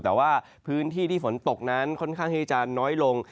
แต่ว่าพื้นที่ที่ฝนตกนั้นค่อนข้างที่จะน้อยลง